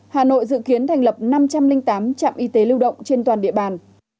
hà nội dự kiến thành lập năm trăm linh tám trạm y tế lưu động trên toàn địa bàn